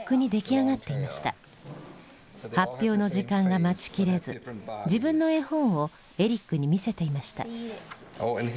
発表の時間が待ちきれず自分の絵本をエリックに見せていました。